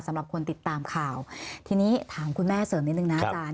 สำหรับคนติดตามข่าวทีนี้ถามคุณแม่เสริมนิดนึงนะอาจารย์